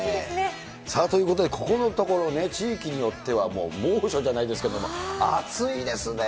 さあ、ということで、ここのところね、地域によってはもう猛暑じゃないですけども、暑いですねぇ。